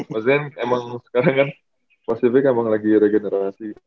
maksudnya emang sekarang kan pasifik emang lagi regenerasi